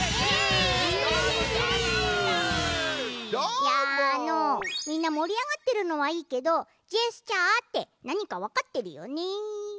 いやあのみんなもりあがってるのはいいけど「ジェスチャー」ってなにかわかってるよね？